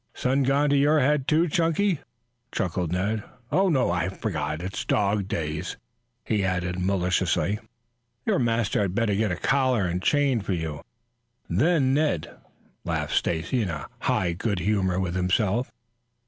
"Sun gone to your head, too, Chunky?" chuckled Ned. "Oh, no, I forgot; it's dog days," he added maliciously. "Your master had better get a collar and chain for you, then, Ned," laughed Stacy, in high good humor with himself.